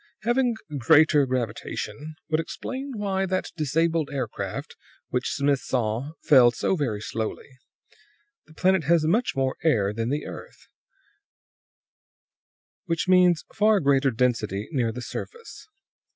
"Having greater gravitation would explain why that disabled aircraft which Smith saw fell so very slowly; the planet has much more air than the earth, which means far greater density near the surface.